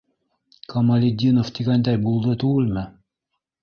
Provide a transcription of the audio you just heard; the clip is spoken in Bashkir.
Камалетдинов тигәндәй булды түгелме?